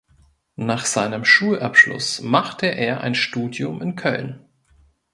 Nach seinem Schulabschluss machte er ein Studium in Köln.